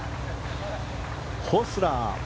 ホスラー。